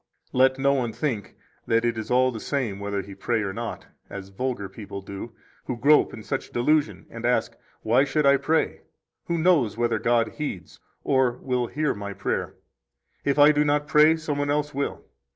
Let no one think that it is all the same whether he pray or not, as vulgar people do, who grope in such delusion and ask, Why should I pray? Who knows whether God heeds or will hear my prayer? If I do not pray, some one else will.